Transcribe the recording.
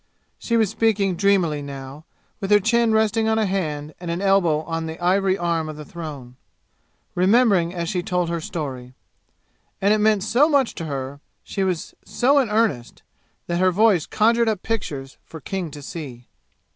She was speaking dreamily now, with her chin resting on a hand and an elbow on the ivory arm of the throne, remembering as she told her story. And it meant so much to her, she was so in earnest, that her voice conjured up pictures for King to see.